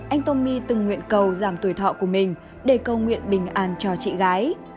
anh tomi từng nguyện cầu giảm tuổi thọ của mình để cầu nguyện bình an cho chị gái